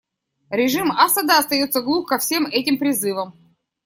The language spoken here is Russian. Режим Асада остается глух ко всем этим призывам.